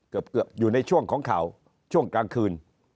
อยู่ในช่วงของข่าวช่วงกลางคืน